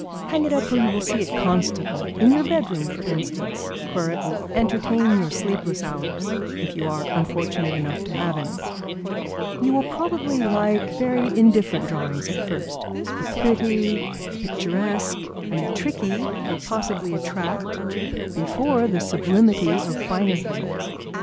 Hang it up where you will see it constantly; in your bedroom, for instance, where it will entertain your sleepless hours, if you are unfortunate enough to have any. You will probably like very indifferent drawings at first, the pretty, the picturesque and the tricky will possibly attract before the sublimity of finer things.